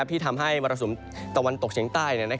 ที่ทำให้มรสุมตะวันตกเฉียงใต้